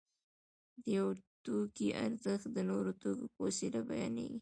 د یو توکي ارزښت د نورو توکو په وسیله بیانېږي